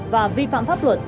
và vi phạm pháp luật